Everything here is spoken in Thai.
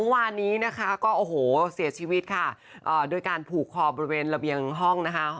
เมื่อวานนี้นะคะก็โอ้โหเสียชีวิตค่ะโดยการผูกคอบริเวณระเบียงห้องนะคะ